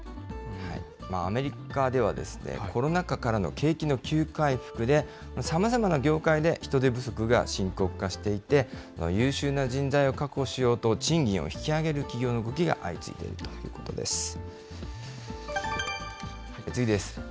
アメリカでは、コロナ禍からの景気の急回復で、さまざまな業界で人手不足が深刻化していて、優秀な人材を確保しようと、賃金を引き上げる企業の動きが相次いでいるということです。